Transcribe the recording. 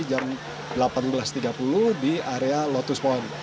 jam delapan belas tiga puluh di area lotus point